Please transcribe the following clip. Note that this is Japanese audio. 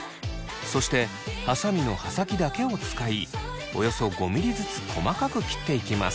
そしてはさみの刃先だけを使いおよそ５ミリずつ細かく切っていきます。